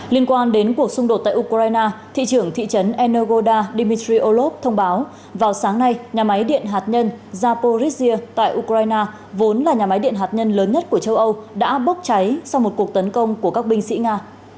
liên quan đến cuộc xung đột tại ukraine thị trưởng thị trấn energoda dmitry olov thông báo vào sáng nay nhà máy điện hạt nhân zaporisia tại ukraine vốn là nhà máy điện hạt nhân lớn nhất của châu âu đã bốc cháy sau một cuộc tấn công của các binh sĩ nga